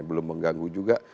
belum mengganggu juga